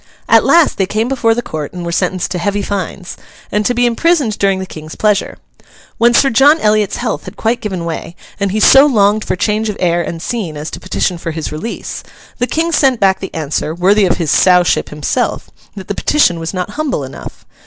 At last they came before the court and were sentenced to heavy fines, and to be imprisoned during the King's pleasure. When Sir John Eliot's health had quite given way, and he so longed for change of air and scene as to petition for his release, the King sent back the answer (worthy of his Sowship himself) that the petition was not humble enough.